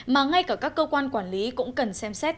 mà ngay cả các cơ quan quản lý cũng cần xem xét